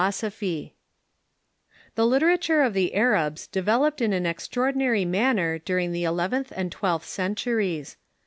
] The literature of the Arabs developed in an extraordinary manner during the eleventh and twelfth centuries.